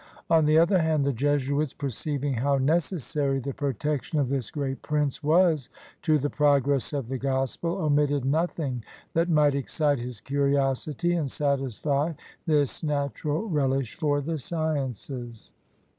On the other hand, the Jesuits, perceiving how necessary the protection of this great prince was to the progress of the Gospel, omitted nothing that might ex cite his curiosity and satisfy this natural relish for the sciences.